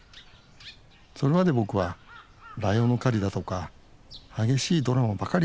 それまで僕はライオンの狩りだとか激しいドラマばかり求めていた。